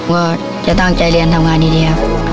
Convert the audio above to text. ผมก็จะตั้งใจเรียนถึงทำงานดีครับ